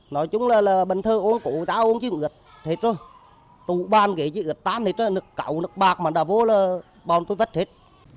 nói chúng là bệnh thơ uống cụ cháu uống chứ ướt hết rồi tù ban kia chứ ướt tan hết rồi nước cầu nước bạc mà đã vô là bọn tôi vất hết